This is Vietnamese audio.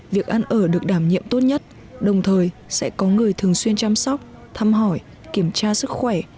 việc ăn ở được đảm nhiệm tốt nhất đồng thời sẽ có người thường xuyên chăm sóc thăm hỏi kiểm tra sức khỏe